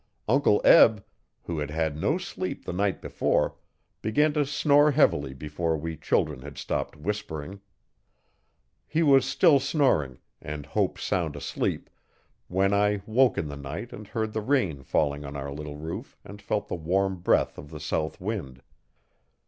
Uncle Eb, who had had no sleep the night before, began to snore heavily before we children had stopped whispering. He was still snoring, and Hope sound asleep, when I woke in the night and heard the rain falling on our little roof and felt the warm breath of the south wind.